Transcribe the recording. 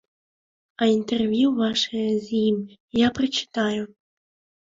А інтэрв'ю вашае з ім я прачытаю.